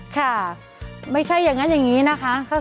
ค่ะไม่ใช่อย่างนั้นอย่างนี้นะคะ